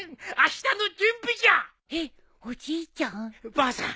ばあさん